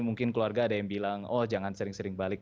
mungkin keluarga ada yang bilang oh jangan sering sering balik